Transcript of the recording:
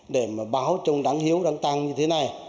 để mà báo trong đáng hiếu đáng tăng như thế này